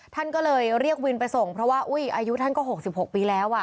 ท่านก็เลยเรียกวินไปส่งเพราะว่าอุ้ยอายุท่านก็๖๖ปีแล้ว